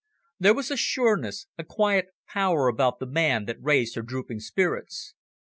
There was a sureness, a quiet power about the man that raised her drooping spirits.